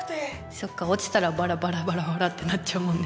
そっか落ちたらバラバラバラバラってなっちゃうもんね。